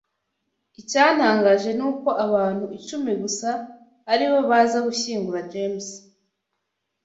Icyantangaje nuko abantu icumi gusa aribo baza gushyingura James.